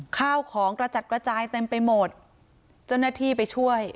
ข้าวของกระจัดกระจายเต็มไปหมดเจ้าหน้าที่ไปช่วย